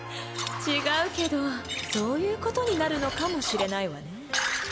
違うけどそういうことになるのかもしれないわね。